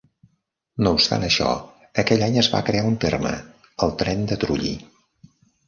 No obstant això, aquell any es va crear un terme, el "Tren de Trulli".